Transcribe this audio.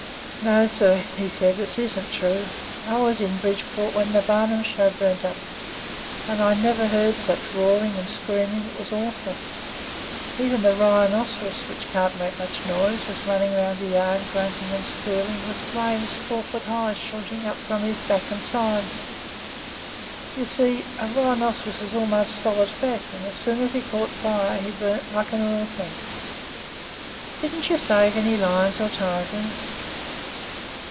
"No, sir," said he; "it isn't true. I was in Bridgeport when the Barnum show burned up, and I never heard such roaring and screaming. It was awful. Even the rhinoceros, which can't make much noise, was running around the yard grunting and squealing, with flames four feet high shooting up from his back and sides. You see, a rhinoceros is almost solid fat, and as soon as he caught fire he burned like an oil tank." "Didn't you save any lions or tigers?"